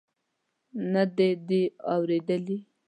نه دې دي اورېدلي.